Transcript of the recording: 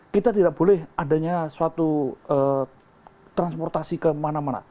kita tidak boleh adanya suatu transportasi kemana mana